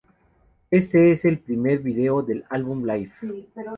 Este es el primer vídeo del álbum Life.